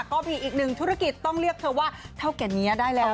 ก็มีอีกหนึ่งธุรกิจต้องเรียกเธอว่าเท่าแก่นี้ได้แล้ว